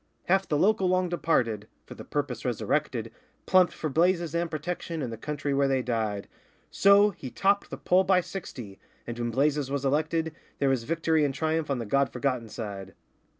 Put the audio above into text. Half the local long departed (for the purpose resurrected) Plumped for Blazes and Protection, and the country where they died; So he topped the poll by sixty, and when Blazes was elected There was victory and triumph on the God Forgotten side.